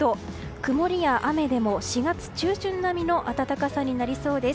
曇りや雨でも４月中旬並みの暖かさになりそうです。